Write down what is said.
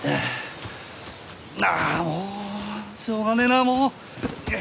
ああもうしょうがねえなあもう！